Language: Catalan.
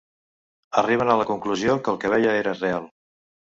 Arriben a la conclusió que el que veia era real.